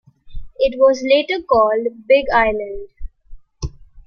It was later called Big Island.